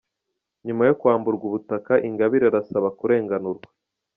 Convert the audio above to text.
Nyuma yo kwamburwa ubutaka, Ingabire arasaba kurenganurwa